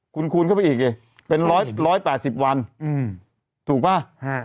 คูณคูณเข้าไปอีกเลยเป็นร้อยร้อยแปดสิบวันอืมถูกป่ะฮะ